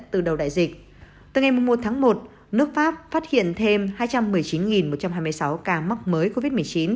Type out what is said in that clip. từ đầu đại dịch từ ngày một tháng một nước pháp phát hiện thêm hai trăm một mươi chín một trăm hai mươi sáu ca mắc mới covid một mươi chín